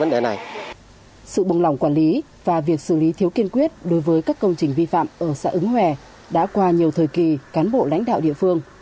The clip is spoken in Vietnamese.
đó là lý do giải quyết các công trình vi phạm ở xã ứng hòe